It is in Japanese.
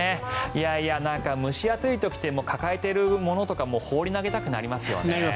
いやいや、なんか蒸し暑い時って抱えてるものとか放り投げたくなりますよね。